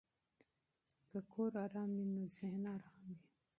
که کور آرام وي نو ذهن آرام وي.